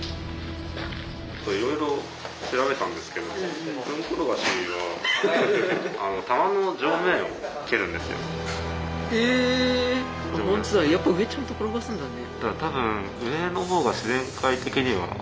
いろいろ調べたんですけどホントだやっぱ上ちゃんと転がすんだね。